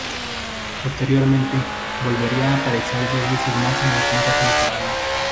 Posteriormente, volvería a aparecer dos veces más en la quinta temporada.